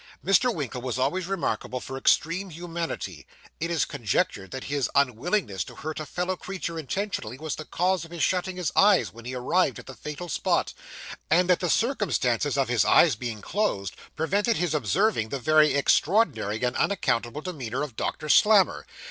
Mr. Winkle was always remarkable for extreme humanity. It is conjectured that his unwillingness to hurt a fellow creature intentionally was the cause of his shutting his eyes when he arrived at the fatal spot; and that the circumstance of his eyes being closed, prevented his observing the very extraordinary and unaccountable demeanour of Doctor Slammer.